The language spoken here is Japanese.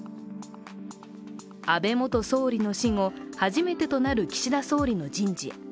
安倍元総理の死後初めてとなる岸田総理の人事。